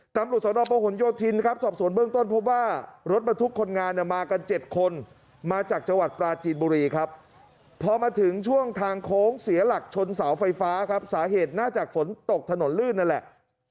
ตำรวจสนประหลโยธินครับสอบสวนเบื้องต้นพบว่ารถบรรทุกคนงานมากัน๗คนมาจากจังหวัดปราจีนบุรีครับพอมาถึงช่วงทางโค้งเสียหลักชนเสาไฟฟ้าครับสาเหตุน่าจะฝนตกถนนลื่นนั่นแหละ